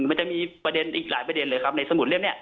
มันจะมีประเด็นอีกหลายประเด็นเลยครับในสมุดเล่มนี้